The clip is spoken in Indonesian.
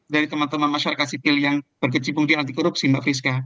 dari teman teman masyarakat sipil yang berkecimpung di anti korupsi mbak friska